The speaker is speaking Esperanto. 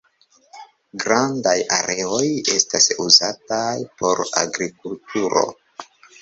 Grandaj areoj estas uzataj por agrikulturo.